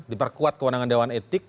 diperkuat kewenangan dewan etik